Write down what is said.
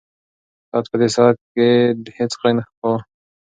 ساعت په دې ساعت کې هیڅ غږ نه کاوه.